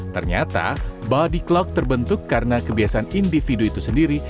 ternyata body clock terbentuk karena kebiasaan individu itu sendiri